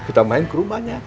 kita main ke rumahnya